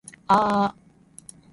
aaaa